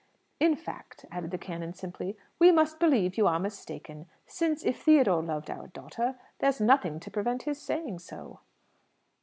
In fact," added the canon simply, "we must believe you are mistaken; since, if Theodore loved our daughter, there's nothing to prevent his saying so!"